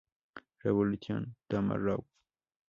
Revolution Tomorrow!